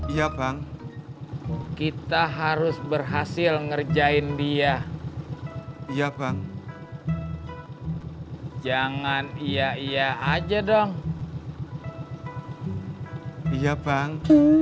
ya bang kita harus berhasil ngerjain dia ya bang jangan iya iya aja dong iya bang